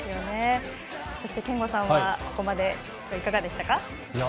そして、憲剛さんはここまで今日、いかがでしたか。